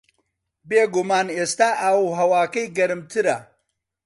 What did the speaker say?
بێگومان ئێستا ئاو و ھەواکەی گەرمترە